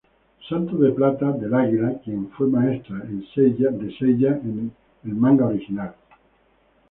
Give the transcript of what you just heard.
Santo de Plata del Águila, quien fue maestra de Seiya en el manga original.